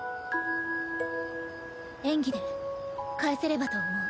演技で返せればと思う。